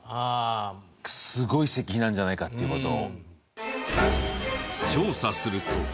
すごい石碑なんじゃないかっていう事を。